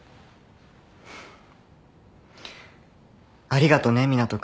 ありがとね湊斗